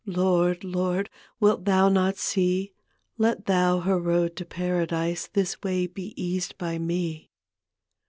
Lord, Lord, wilt Thou not see? Let Thou her road to Paradise This way be eased by me."